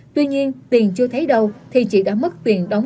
tuy nhiên tiền chưa thấy đâu thì chị đã mất tiền đóng